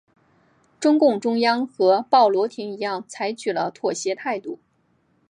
中共中央和鲍罗廷一样采取了妥协态度。